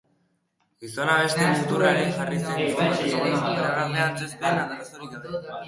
Gizona beste muturrean jarri zen, informaltasunez, koreografia-antzezpen arrastorik gabe.